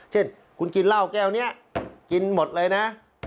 เช่นคุณกินเหล้าแก้วนี้กินหมดเลยนะ